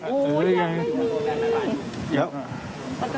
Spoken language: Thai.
โอ้ยยังไม่มี